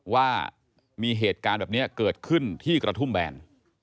ว่ามีเหตุการณ์แบบนี้เกิดขึ้นที่กระทุ่มแบน